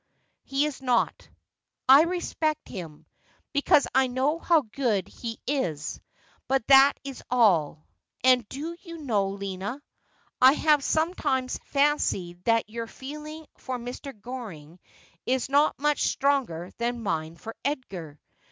' He is not. I respect him, because I know how good he is ; but that is all. And do you know, Lina, I have sometimes fancied that your feeling for Mr. G oring is not much stronger than mine for Edgar.